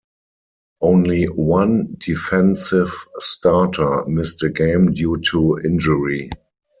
Only one defensive starter missed a game due to injury.